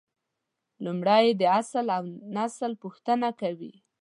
لومړی یې د اصل اونسل پوښتنه کوي.